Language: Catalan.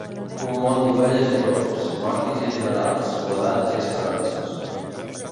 Un món d’ovelles i llops, maquis i generals, soledats i esperances.